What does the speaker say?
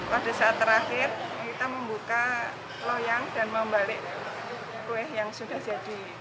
pada saat terakhir kita membuka loyang dan membalik kue yang sudah jadi